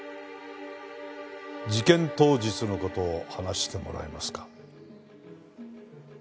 事件当日の事を話してもらえますか？